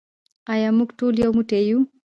آیا موږ ټول یو موټی یو؟